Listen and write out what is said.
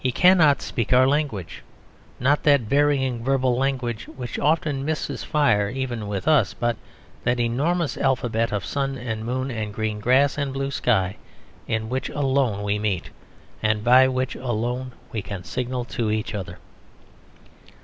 He cannot speak our language: not that varying verbal language which often misses fire even with us, but that enormous alphabet of sun and moon and green grass and blue sky in which alone we meet, and by which alone we can signal to each other.